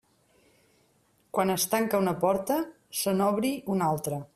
Quan es tanca una porta, se n'obri una altra.